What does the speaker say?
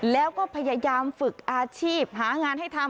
แล้วก็พยายามฝึกอาชีพหางานให้ทำ